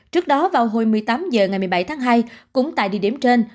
trước đó vào hồi một mươi tám h ngày một mươi bảy tháng hai cũng tại địa điểm trên